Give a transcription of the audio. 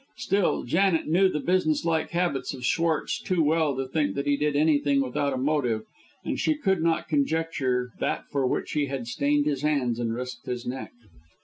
Still, Janet knew the businesslike habits of Schwartz too well to think that he did anything without a motive, and she could not conjecture that for which he had stained his hands and risked his neck.